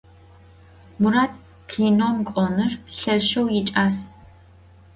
Murat kinoum k'onır lheşşeu yiç'as.